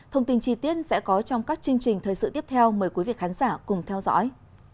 thông tin chi tiết sẽ có trong các chương trình thời sự tiếp theo mời quý vị khán giả cùng theo dõi